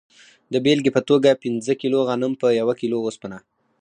د بیلګې په توګه پنځه کیلو غنم په یوه کیلو اوسپنه.